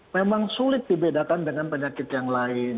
kulit dibedakan dengan penyakit yang lain